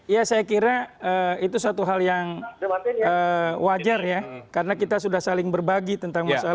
ya saya kira itu satu hal yang wajar ya karena kita sudah saling berbagi tentang masalah